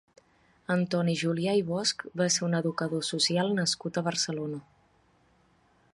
Antoni Julià i Bosch va ser un educador social nascut a Barcelona.